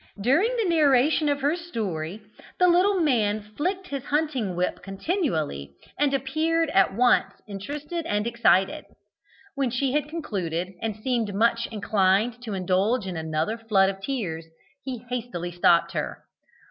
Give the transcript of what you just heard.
During the narration of her story, the little man flicked his hunting whip continually and appeared at once interested and excited. When she had concluded, and seemed much inclined to indulge in another flood of tears, he hastily stopped her.